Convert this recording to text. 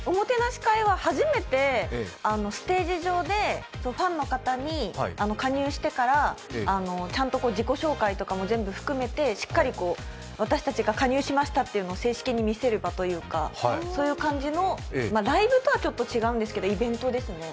初めてステージ上でファンの方に、加入してからちゃんと自己紹介とかも含めてしっかり私たちが加入しましたというのを正式に見せる場というかそういう感じの、ライブとはちょっと違うんですけど、イベントですね